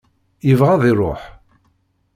Yebɣa ad iruḥ.